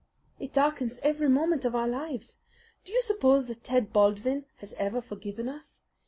"It darkens every moment of our lives. Do you suppose that Ted Baldwin has ever forgiven us?